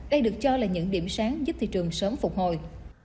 đây được cho là những điểm sáng giúp thị trường sớm phục hồi